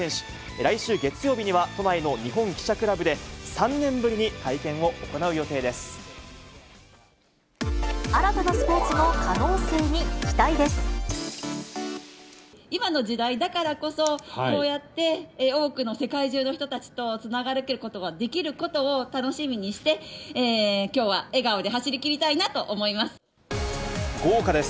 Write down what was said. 来週月曜日には、都内の日本記者クラブで、新たなスポーツの可能性に期今の時代だからこそ、こうやって多くの世界中の人たちとつながることができることを楽しみにして、きょうは笑顔で走りきりたいなと思います。